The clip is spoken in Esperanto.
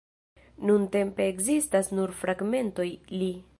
Nuntempe ekzistas nur fragmentoj li.